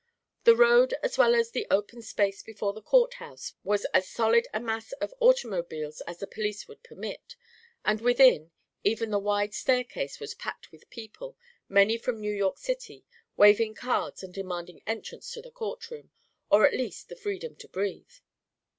The road as well as the open space before the Courthouse was as solid a mass of automobiles as the police would permit, and within, even the wide staircase was packed with people, many from New York City, waving cards and demanding entrance to the Court room, or at least the freedom to breathe.